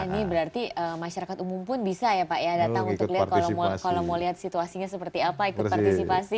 ini berarti masyarakat umum pun bisa ya pak ya datang untuk lihat kalau mau lihat situasinya seperti apa ikut partisipasi